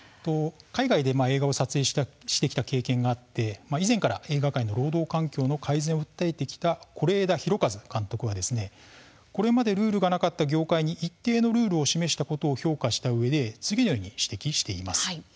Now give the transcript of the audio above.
海外で映画を撮影してきた経験があって以前から映画界の労働環境の改善を訴えてきた是枝裕和監督はこれまでルールがなかった業界に一定のルールを示したことを評価したうえで次のように指摘しています。